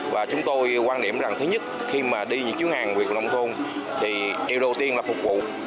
và chúng tôi quan điểm rằng thứ nhất khi mà đi nghiên cứu hàng việt nông thôn thì điều đầu tiên là phục vụ